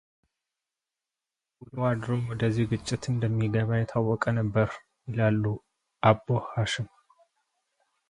ውሎ አድሮ ወደዚህ ግጭት እንደሚገባ የታወቀ ነበር ይላሉ አቦ ሓሽም።